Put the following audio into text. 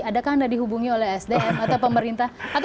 adakah anda dihubungi oleh sdm atau pemerintah